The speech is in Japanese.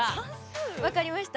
分かりました。